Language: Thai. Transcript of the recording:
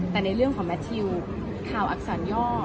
แต่ในเรื่องของแมททิวข่าวอักษรย่อ